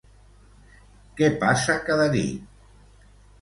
Què passa cada nit?